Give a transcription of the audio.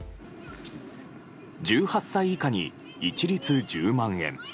１８歳以下に一律１０万円。